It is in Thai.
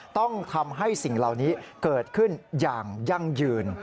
ต้องทำให้สิ่งเหล่านี้เกิดขึ้นอย่างยั่งยืน